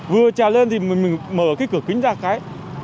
vừa trà lên thì mình mở cái cửa kính ra cái